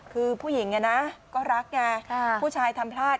คือผู้หญิงก็รักไงผู้ชายทำพลาด